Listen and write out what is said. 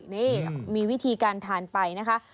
นี่มีวิธีการทานไปนะคะ